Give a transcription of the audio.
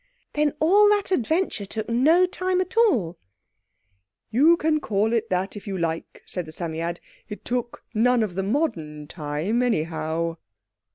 "Then all that adventure took no time at all?" "You can call it that if you like," said the Psammead. "It took none of the modern time, anyhow."